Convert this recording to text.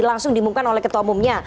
langsung diumumkan oleh ketua umumnya